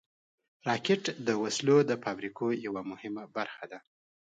راکټ د وسلو د فابریکو یوه مهمه برخه ده